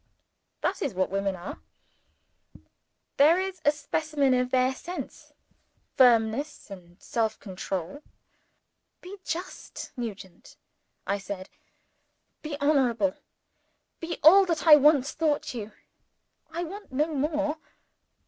That is what women are! There is a specimen of their sense, firmness, and self control! "Be just, Nugent," I said. "Be honorable. Be all that I once thought you. I want no more."